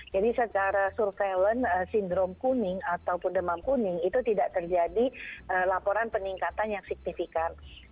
jadi secara surveillance sindrom kuning ataupun demam kuning itu tidak terjadi laporan peningkatan yang signifikan